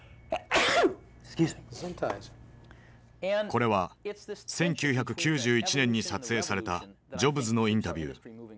これは１９９１年に撮影されたジョブズのインタビュー。